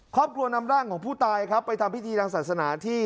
ครอบครัวนำร่างของผู้ตายครับไปทำพิธีทางศาสนาที่